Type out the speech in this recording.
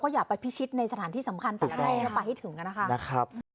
อย่าไปพิชิตในสถานที่สำคัญแต่อะไรก็ไปให้ถึงกันนะคะ